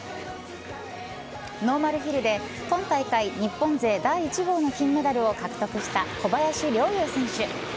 ノーマルヒルで今大会日本勢第１号の金メダルを獲得した小林陵侑選手。